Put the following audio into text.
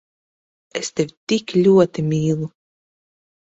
Es tevi tik ļoti mīlu…